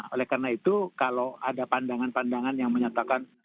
oleh karena itu kalau ada pandangan pandangan yang menyatakan